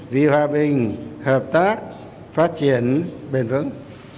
vì hòa bình hợp tác phát triển bền vững